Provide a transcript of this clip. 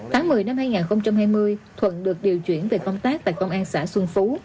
tháng một mươi năm hai nghìn hai mươi thuận được điều chuyển về công tác tại công an xã xuân phú